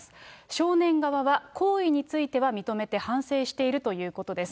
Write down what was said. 少年側は行為については認めて反省しているということです。